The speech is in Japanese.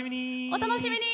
お楽しみに！